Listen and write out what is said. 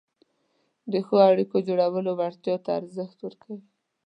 د ښو اړیکو جوړولو وړتیا ته ارزښت ورکوي،